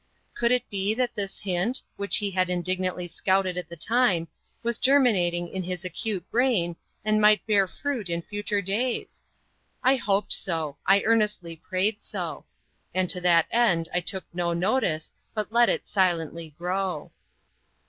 Could it be that this hint, which he had indignantly scouted at the time, was germinating in his acute brain, and might bear fruit in future days? I hoped so I earnestly prayed so. And to that end I took no notice, but let it silently grow.